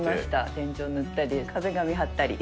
天井塗ったり、壁紙貼ったり。